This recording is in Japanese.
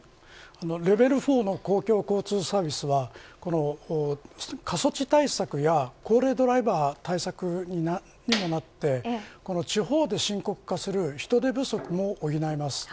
レベル４の公共交通サービスは過疎地対策や高齢ドライバー対策にもなって地方で深刻化する人手不足も補えます。